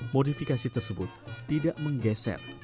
modifikasi tersebut tidak menggeser